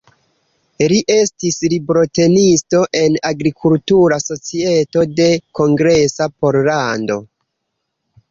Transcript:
Li estis librotenisto en Agrikultura Societo de Kongresa Pollando.